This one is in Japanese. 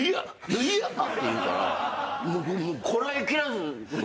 どぅいや！」って言うからこらえきれず。